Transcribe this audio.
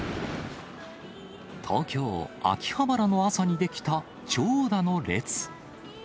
東京・秋葉原の朝に出来た長蛇の列。